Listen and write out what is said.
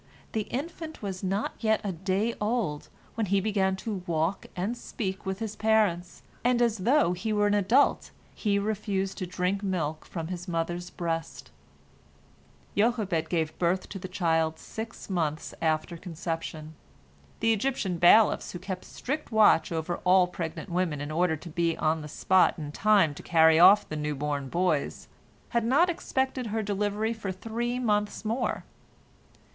The infant was not yet a day old when he began to walk and speak with his parents, and as though he were an adult, he refused to drink milk from his mother's breast. Jochebed gave birth to the child six months after conception. The Egyptian bailiffs, who kept strict watch over all pregnant women in order to be on the spot in time to carry off their new born boys, had not expected her delivery for three months more.